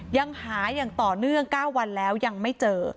ยังหาอย่างต่อเนื่อง๙วันแล้วยังไม่เจอ